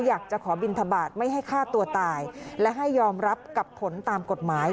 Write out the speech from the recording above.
อยากจะขอบินทบาทไม่ให้ฆ่าตัวตายและให้ยอมรับกับผลตามกฎหมาย